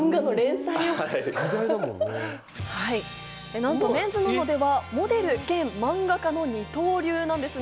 なんと『メンズノンノ』ではモデル兼漫画家の二刀流なんです。